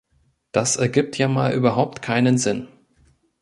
Das ergibt ja mal überhaupt keinen Sinn.